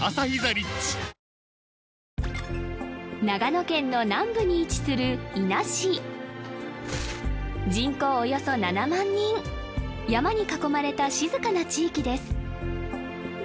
長野県の南部に位置する伊那市山に囲まれた静かな地域です